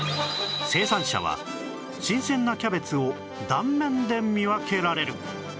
生産者は新鮮なキャベツを断面で見分けられる！